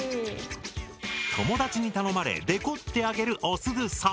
友だちに頼まれデコってあげるおすずさん。